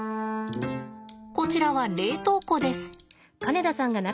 こちらは冷凍庫です。